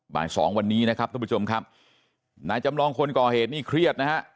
บ่ายสองวันนี้นะครับทุกผู้ชมครับนายจำลองคนก่อเหตุนี่เครียดนะฮะ